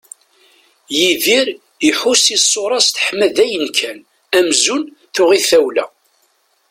Yidir iḥus i ṣṣura-s teḥma d ayen kan, amzun tuɣ-it tawla.